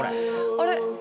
あれ？